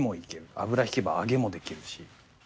油引けば揚げもできるし。